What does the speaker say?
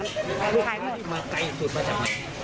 ส่วนต้องคุยค่ะ